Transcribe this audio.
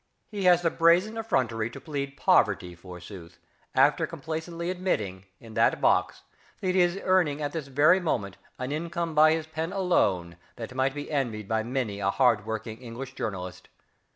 He has the brazen effrontery to plead poverty, forsooth! after complacently admitting, in that box, that he is earning at this very moment an income by his pen alone that might be envied by many a hardworking English journalist!